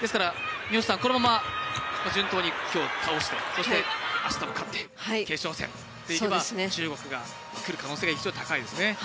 ですから、このまま順当に今日、倒して明日も勝って決勝戦にいけば、中国がくる可能性が非常に高いですね。